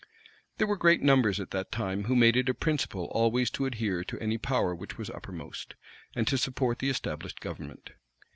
There were great numbers at that time who made it a principle always to adhere to any power which was uppermost, and to support the established government.